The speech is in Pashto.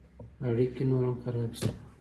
اړیکې نور هم خراب شوې.